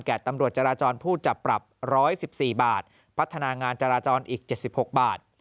ตำรวจจราจรผู้จับปรับ๑๑๔บาทพัฒนางานจราจรอีก๗๖บาท